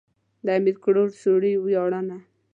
د امير کروړ سوري وياړنه.